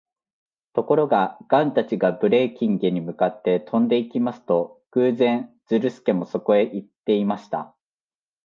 ところが、ガンたちがブレーキンゲに向かって飛んでいきますと、偶然、ズルスケもそこへいっていました。